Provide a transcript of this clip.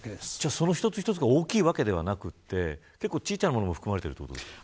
その一つ一つが大きいわけではなく結構、小さいさなものも含まれているんですか。